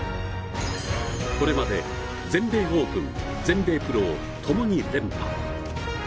これまで、全米オープン全米プロをともに連覇。